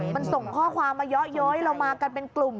มันส่งข้อความมาเยอะเย้ยเรามากันเป็นกลุ่ม